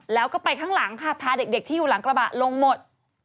แล้วก็ไปข้างหลังค่ะพาเด็กที่อยู่หลังกระบะลงหมด